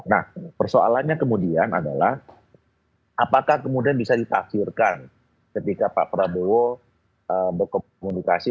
nah persoalannya kemudian adalah apakah kemudian bisa ditafsirkan ketika pak prabowo berkomunikasi